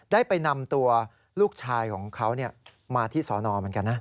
ได้ไปนำตัวลูกชายของเขามาที่สอนอเหมือนกันนะ